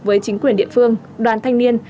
với chính quyền địa phương đoàn thanh niên